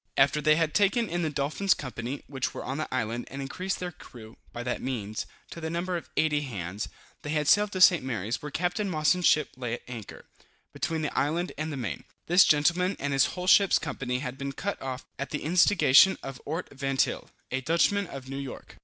After they had taken in the Dolphin's company, which were on the island, and increased their crew, by that means, to the number of 80 hands, they sailed to St. Mary's, where Capt. Mosson's ship lay at anchor, between the island and the main. This gentleman and his whole ship's company had been cut off at the instigation of Ort Vantyle, a Dutchman of New York.